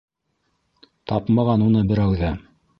Тапмаған уны берәү ҙә.